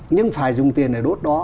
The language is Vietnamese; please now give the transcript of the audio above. nhưng phải dùng tiền để đốt đó